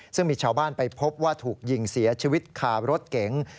ซึ่งมีชาวบ้านไปพบว่าถูกยิงเสียชีวิตคารถเก๋ง